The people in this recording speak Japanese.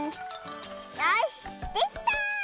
よしできた！